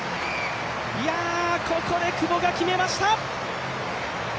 ここで久保が決めました。